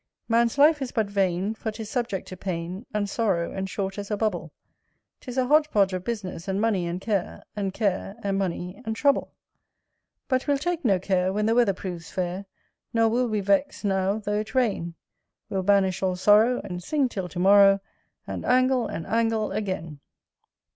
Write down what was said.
Man's life is but vain, for 'tis subject to pain, And sorrow, and short as a bubble; 'Tis a hodge podge of business, and money, and care, And care, and money, and trouble. But we'll take no care when the weather proves fair; Nor will we vex now though it rain; We'll banish all sorrow, and sing till to morrow, And angle, and angle again.